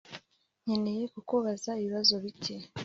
Nkeneye kukubaza ibibazo bike